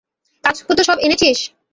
কাগজপত্র সব এনেছিস?